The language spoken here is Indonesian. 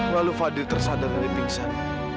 lalu fadil tersadar dan dipingsan